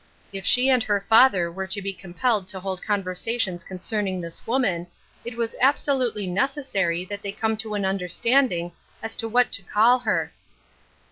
If she and her father were to be compelled to hold con versations concerning this woman, it was abso lutely necessary that they come to an under standing as to what to call her.